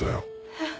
えっ。